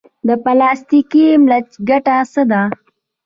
د پلاستیکي ملچ ګټه څه ده؟